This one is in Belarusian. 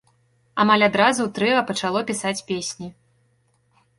Амаль адразу трыа пачало пісаць песні.